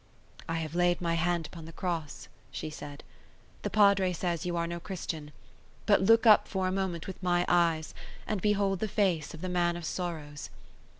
"I have laid my hand upon the cross," she said. "The Padre says you are no Christian; but look up for a moment with my eyes, and behold the face of the Man of Sorrows.